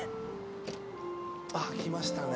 あっ来ましたね。